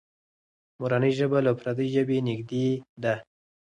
مورنۍ ژبه له پردۍ ژبې نږدې ده.